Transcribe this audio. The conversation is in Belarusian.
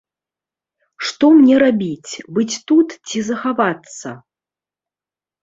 Што мне рабіць, быць тут ці захавацца?